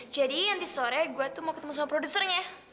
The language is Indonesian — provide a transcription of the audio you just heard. jadi nanti sore gue tuh mau ketemu sama produsernya